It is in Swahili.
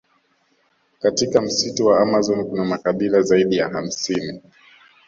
Katika msitu wa amazon kuna makabila zaidi ya hamsini